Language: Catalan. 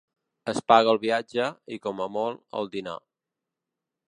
Es paga el viatge i, com a molt, el dinar.